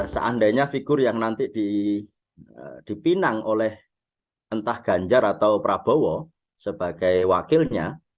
seandainya figur yang nanti dipinang oleh entah ganjar atau prabowo sebagai wakilnya